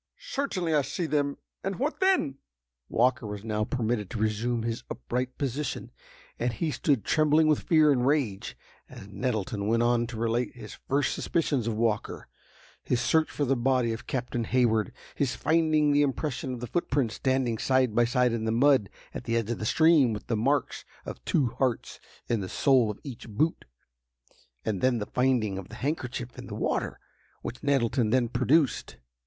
"Certainly I see them. And what then?" Walker was now permitted to resume his upright position, and he stood trembling with fear and rage, as Nettleton went on to relate his first suspicions of Walker, his search for the body of Captain Hayward, his finding the impression of the footprints standing side by side in the mud, at the edge of the stream, with the marks of two hearts in the sole of each boot; and then the finding of the handkerchief in the water, which Nettleton then produced.